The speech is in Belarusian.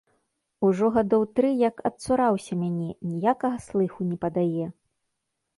Ужо гадоў тры як адцураўся мяне, ніякага слыху не падае.